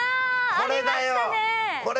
これだよ。